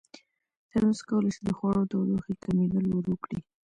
ترموز کولی شي د خوړو تودوخې کمېدل ورو کړي.